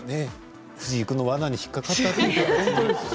藤井君のわなに引っ掛かっていたんですね。